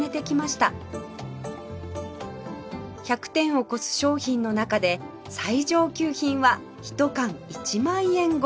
１００点を超す商品の中で最上級品はひと缶１万円超え